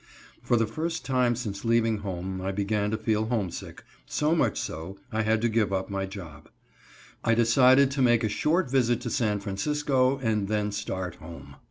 For the first time since leaving home I began to feel homesick, so much so I had to give up my job. I decided to make a short visit to San Francisco and then start home.